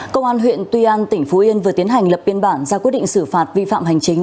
công an huyện tuy an tp hcm vừa tiến hành lập biên bản ra quyết định xử phạt vi phạm hành trình